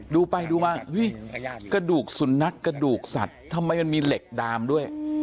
ดูไปดูมากระดูกสุนัขกระดูกสัตว์ทำไมมันมีเหล็กดามด้วย